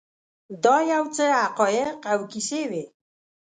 دا یو څه حقایق او کیسې وې.